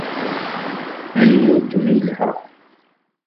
Annuddem ilha.